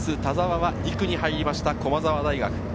エース・田澤は２区に入りました駒澤大学。